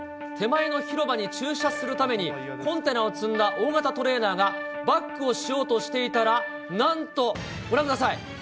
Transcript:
手前の広場に駐車するために、コンテナを積んだ大型トレーラーがバックをしようとしていたら、なんと、ご覧ください。